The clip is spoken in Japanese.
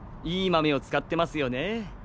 いい豆を使ってますよね。